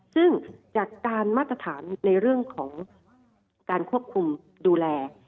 ซึ่งจากการมาตรฐานในเรื่องของการควบคุมดูแล